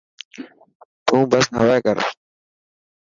تون بس هري ڪر.